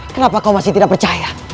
kenapa kau masih tidak percaya